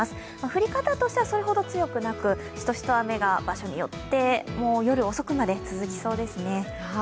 降り方としてはそれほど強くなく、しとしと雨が場所によって、夜遅くまで続きそうですね。